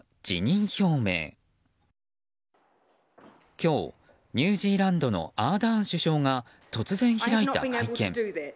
今日、ニュージーランドのアーダーン首相が突然開いた会見。